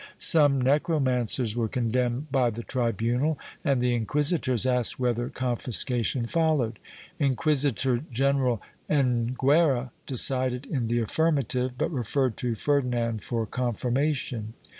Some necromancers were condemned by the tribunal and the inquisitors asked whether confiscation followed. Inquisitor gen eral Enguera decided in the affirmative, but referred to Ferdinand for confirmation.